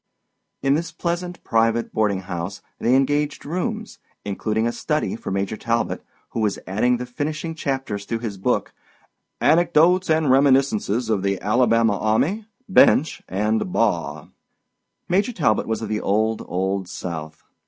In this pleasant private boarding house they engaged rooms, including a study for Major Talbot, who was adding the finishing chapters to his book, Anecdotes and Reminiscences of the Alabama Army, Bench, and Bar. Major Talbot was of the old, old South.